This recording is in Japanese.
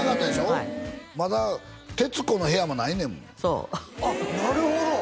はいまだ「徹子の部屋」もないねんもんそうあっなるほど！